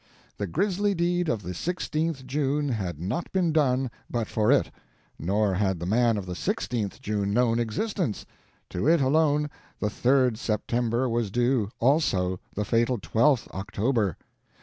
The grisly deed of the 16th June had not been done but for it, nor had the man of the 16th June known existence; to it alone the 3d September was due, also the fatal 12th October.